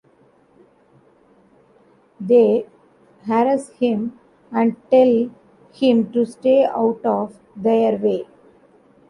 They harass him, and tell him to stay out of their way.